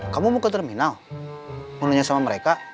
kamu buka terminal mau nanya sama mereka